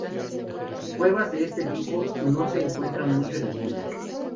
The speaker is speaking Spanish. Cuevas de este tipo no se encuentran mucho en el mundo.